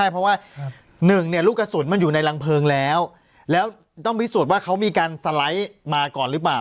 กระสุนมันอยู่ในรังเพลิงแล้วแล้วต้องวิสูจน์ว่าเขามีการสไลด์มาก่อนหรือเปล่า